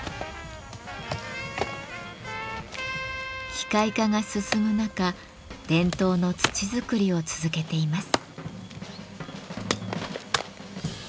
機械化が進む中伝統の土作りを続けています。